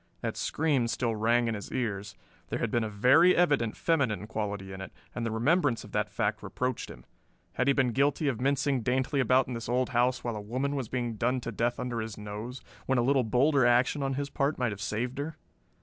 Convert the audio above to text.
That scream still rang in his ears; there had been a very evident feminine quality in it, and the remembrance of that fact reproached him. Had he been guilty of mincing daintily about in this old house while a woman was being done to death under his nose, when a little bolder action on his part might have saved her?